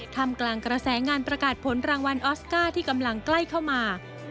ทำกลางกระแสงานประกาศผลรางวัลออสการ์ที่กำลังใกล้เข้ามา